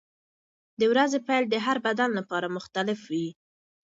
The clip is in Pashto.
د ورځې پیل د هر بدن لپاره مختلف وي.